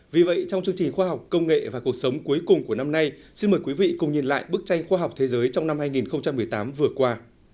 vì vậy trong chương trình khoa học công nghệ và cuộc sống cuối cùng của năm nay xin mời quý vị cùng nhìn lại bức tranh khoa học thế giới trong năm hai nghìn một mươi tám vừa qua